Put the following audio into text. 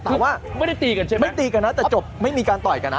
แต่ว่าไม่ได้ตีกันใช่ไหมไม่ตีกันนะแต่จบไม่มีการต่อยกันนะ